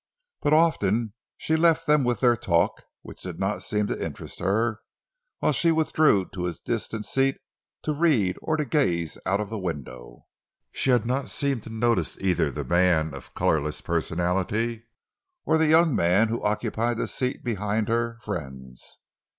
But often she left them with their talk, which did not seem to interest her, while she withdrew to a distant seat to read or to gaze out of the window. She had not seemed to notice either the man of colorless personality or the young man who occupied the seat behind her friends.